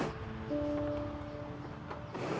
lalu kamu mau ngapain